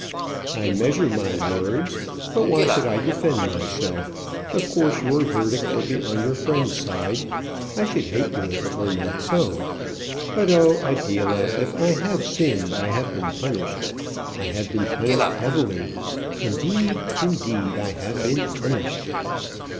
"I measure my words But why should I defend myself? Of course your verdict will be on your friend's side. I should hate you if it were not so. But, oh! Adela, if I have sinned, I have been punished. I have been punished heavily. Indeed, indeed, I have been punished."